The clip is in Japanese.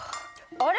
あれ？